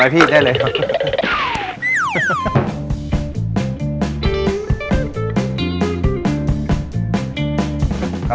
เอานะพี่ได้เลยครับ